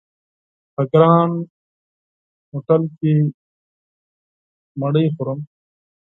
په ګران هوټل کې ډوډۍ خورم!